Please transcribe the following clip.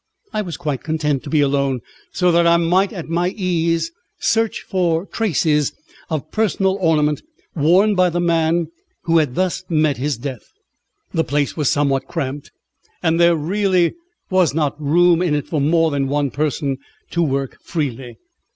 I was quite content to be alone, so that I might at my ease search for traces of personal ornament worn by the man who had thus met his death. The place was somewhat cramped, and there really was not room in it for more than one person to work freely.